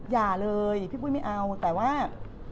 อย่าเลยพี่ปุ้ยไม่เอาแต่ว่า